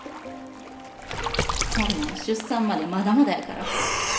そんなん出産までまだまだやから。